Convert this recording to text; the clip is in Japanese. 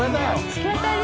突き当たり？